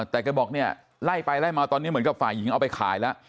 แต่แกบอกเนี่ยไล่ไปไล่มาตอนนี้เหมือนกับฝ่ายหญิงเอาไปขายแล้ว